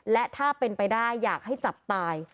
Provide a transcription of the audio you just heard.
และถ้าเป็นไปได้อยากให้จับตาย